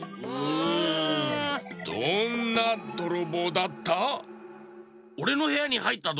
どんなどろぼうだった？